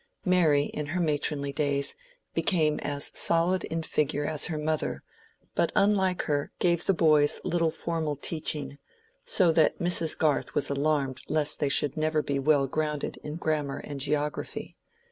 Mary, in her matronly days, became as solid in figure as her mother; but, unlike her, gave the boys little formal teaching, so that Mrs. Garth was alarmed lest they should never be well grounded in grammar and geography.